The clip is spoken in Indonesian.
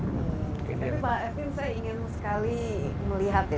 tapi pak edwin saya ingin sekali melihat ya